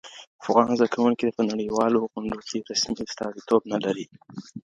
افغان زده کوونکي په نړیوالو غونډو کي رسمي استازیتوب نه لري.